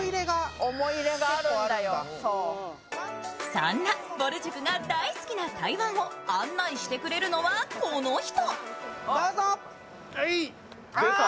そんなぼる塾が大好きな台湾を案内してくれるのはこの人。